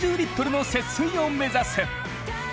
の節水を目指せ！